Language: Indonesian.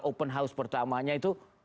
open house pertamanya itu